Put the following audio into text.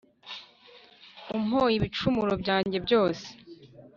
umpoye ibicumuro byanjye byose,